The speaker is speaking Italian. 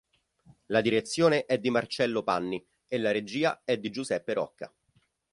La direzione è di Marcello Panni e la regia è di Giuseppe Rocca.